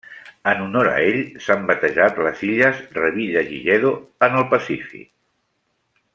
En honor a ell s'han batejat les Illes Revillagigedo en el Pacífic.